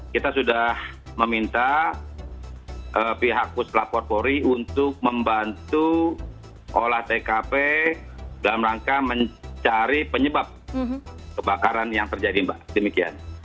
kita sudah meminta pihak puslapor polri untuk membantu olah tkp dalam rangka mencari penyebab kebakaran yang terjadi mbak demikian